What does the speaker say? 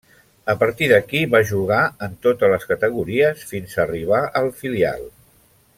A partir d'aquí, va jugar en totes les categories fins a arribar al filial.